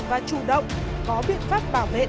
và chủ động có biện pháp bảo vệ